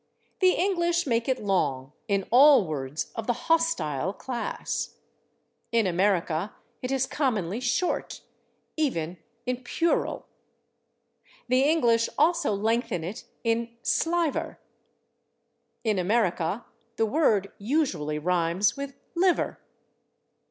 The English make it long in all words of the /hostile/ class; in America it is commonly short, even in /puerile/. The English also lengthen it in /sliver/; in America the word usually rhymes with /liver